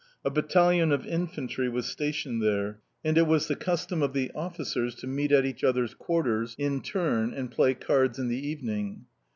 A battalion of infantry was stationed there; and it was the custom of the officers to meet at each other's quarters in turn and play cards in the evening.